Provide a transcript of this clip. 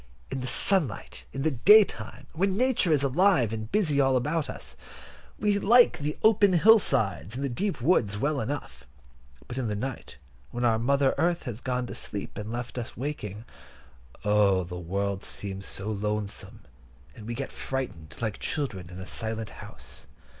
In the sunlight—in the daytime, when Nature is alive and busy all around us, we like the open hill sides and the deep woods well enough: but in the night, when our Mother Earth has gone to sleep, and left us waking, oh! the world seems so lonesome, and we get frightened, like children in a silent house.